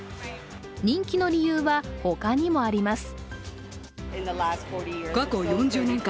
人気の理由は他にもあります。